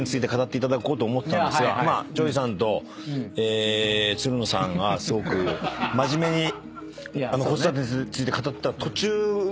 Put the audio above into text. ＪＯＹさんとつるのさんがすごく真面目に子育てについて語ってた途中ぐらいから。